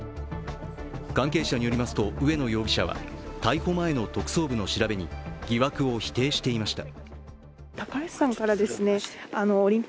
関係者によりますと、植野容疑者は逮捕前の特捜部の調べに疑惑を否定していました。